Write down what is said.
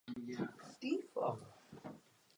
To má za následek feudální válku.